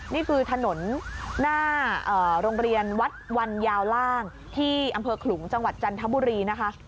นี่คือถนนหน้าโรงเรียนวัดวันยาวล่างที่อำเภอขลุงจังหวัดจันทบุรีนะคะ